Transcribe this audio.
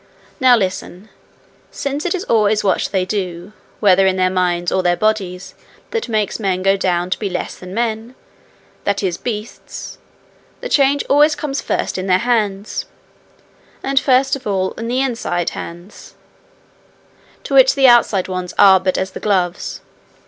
'Now listen. Since it is always what they do, whether in their minds or their bodies, that makes men go down to be less than men, that is, beasts, the change always comes first in their hands and first of all in the inside hands, to which the outside ones are but as the gloves.